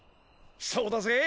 そうだぜ！